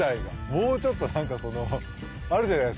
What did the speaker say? もうちょっと何かそのあるじゃないですか。